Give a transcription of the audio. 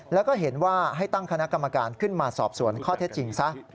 แล้วก็เห็นว่าให้ตั้งคณะกรรมการขึ้นมาสอบสวนข้อเท็จจริงซะ